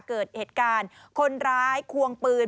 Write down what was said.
เกิดเหตุการณ์คนร้ายควงปืน